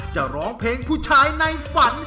จะร้องเพลงผู้ชายในฝัน